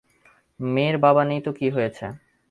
মেয়ের বাবা নেই তো কী হয়েছে?